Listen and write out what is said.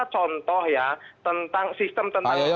contoh ya tentang sistem tentang pengadaan lelang